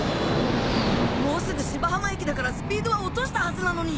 もうすぐ芝浜駅だからスピードは落としたはずなのに！